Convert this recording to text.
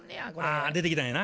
あ出てきたんやな。